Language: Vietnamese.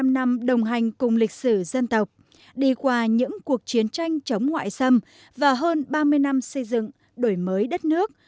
bảy mươi năm năm đồng hành cùng lịch sử dân tộc đi qua những cuộc chiến tranh chống ngoại xâm và hơn ba mươi năm xây dựng đổi mới đất nước